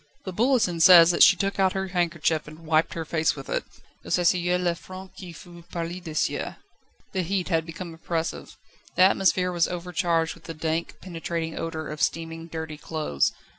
The Bulletin says that she took out her handkerchief and wiped her face with it. Elle s'essuya le front qui fut perlé de sueur. The heat had become oppressive. The atmosphere was overcharged with the dank, penetrating odour of steaming, dirty clothes.